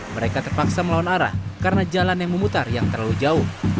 mereka terpaksa melawan arah karena jalan yang memutar yang terlalu jauh